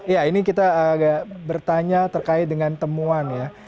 ya ini kita agak bertanya terkait dengan temuan ya